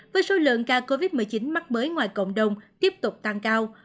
với số lượng ca covid một mươi chín mắc mới ngoài cộng đồng tiếp tục tăng cao